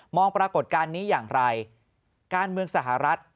ปรากฏการณ์นี้อย่างไรการเมืองสหรัฐ